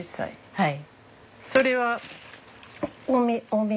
はい。